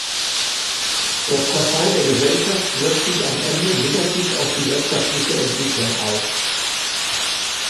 Der Zerfall der Gesellschaft wirkt sich am Ende negativ auf die wirtschaftliche Entwicklung aus.